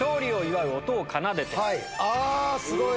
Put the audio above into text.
あすごい！